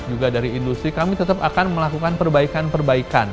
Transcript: juga dari industri kami tetap akan melakukan perbaikan perbaikan